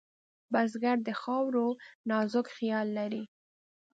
بزګر د خاورو نازک خیال لري